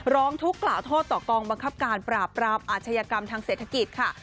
ร้องทุกข์กล่าวโทษต่อกองบังคับการปราบปรามอาชญากรรมทางเศรษฐกิจค่ะ